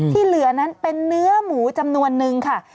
ที่เหลือนั้นเป็นเนื้อหมูจำนวนนึงค่ะ